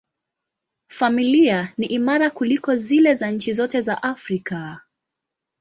Familia ni imara kuliko zile za nchi zote za Afrika.